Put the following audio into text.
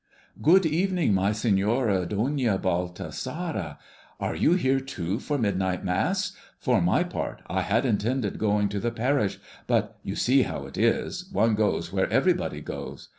"Good evening, my Señora Doña Baltasara; are you here, too, for midnight Mass? For my part I had intended going to the parish, but you see how it is, one goes where everybody goes.